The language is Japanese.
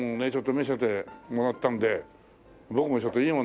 見せてもらったんで僕もちょっといいもの